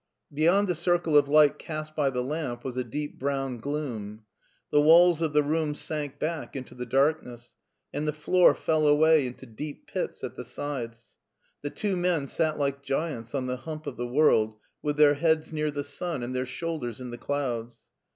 Beyond the circle of light cast by the lamp was a deep brown gloom. The walls of the room sank back into the darkness, and the floor fell away into deep pits at the sides ; the two men sat like giants on the hump of the world with their heads near the sun and their shoul ders in the clouds.